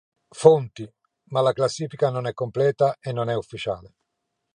Fonti, ma la classifica non è completa e non è ufficiale.